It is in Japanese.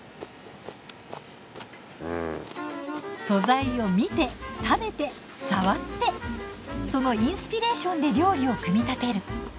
素材を見て食べて触ってそのインスピレーションで料理を組み立てる。